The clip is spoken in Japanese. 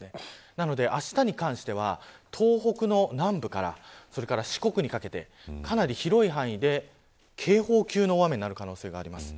なので、あしたに関しては東北の南部から四国にかけてかなり広い範囲で警報級の大雨になる可能性があります。